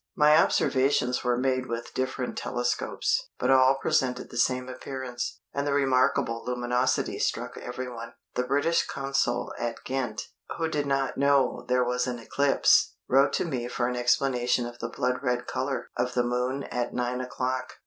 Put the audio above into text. My observations were made with different telescopes, but all presented the same appearance, and the remarkable luminosity struck everyone. The British Consul at Ghent, who did not know there was an eclipse, wrote to me for an explanation of the blood red colour of the Moon at 9 o'clock."